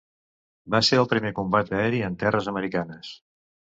Va ser el primer combat aeri en terres americanes.